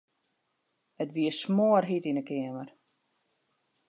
It wie smoarhjit yn 'e keamer.